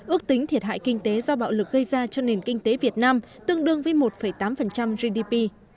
ước tính thiệt hại kinh tế do bạo lực gây ra cho nền kinh tế việt nam tương đương với một tám gdp